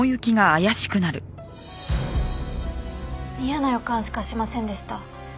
嫌な予感しかしませんでした。